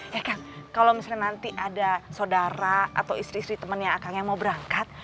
ya kang kalau misalnya nanti ada saudara atau istri istri temennya akan yang mau berangkat